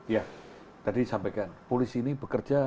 ya tadi disampaikan polisi ini bekerja